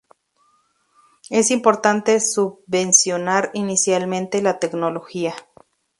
Es importante subvencionar inicialmente la tecnología.